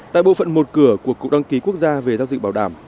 tại bộ phận một cửa của cục đăng ký quốc gia về giao dịch bảo đảm